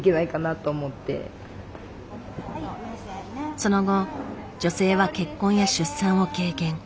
その後女性は結婚や出産を経験。